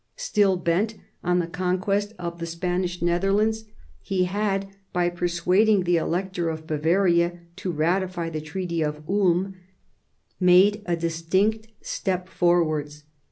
Still bent on the conquest of the Spanish Netherlands, he had, by persuading the Elector of Bavaria to ratify the Treaty of Ulm, made a distinct step forwards.